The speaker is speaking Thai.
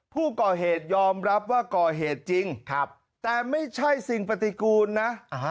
ผู้ก่อเหตุยอมรับว่าก่อเหตุจริงแต่ไม่ใช่สิ่งปฏิกูลนะ